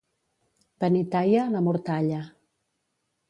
Benitaia, la mortalla.